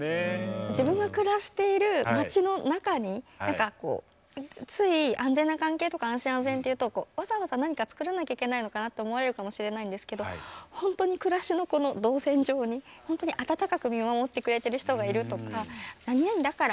自分が暮らしているまちの中に何かこうつい安全な関係とか安心・安全っていうとわざわざ何かつくらなきゃいけないのかなと思われるかもしれないんですけど本当に暮らしの動線上に本当に温かく見守ってくれてる人がいるとか「何々だから」